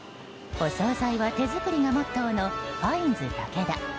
お総菜は手作りがモットーのファインズたけだ。